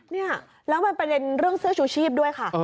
เนี่ยแล้วมันประเด็นเรื่องเสื้อชูชีพด้วยค่ะ